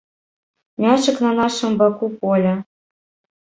Мячык на нашым баку поля.